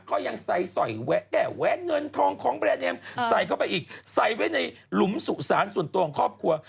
ก็ยังใส่สอยแวะแก้แว้นเงินทองของแบรนดเนมใส่เข้าไปอีกใส่ไว้ในหลุมสุสานส่วนตัวของครอบครัว